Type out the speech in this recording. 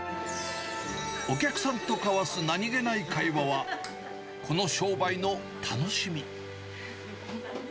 お客さんと交わす何気ない会話は、この商売の楽しみ。